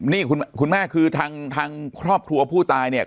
นี่คุณแม่คือทางครอบครัวผู้ตายเนี่ย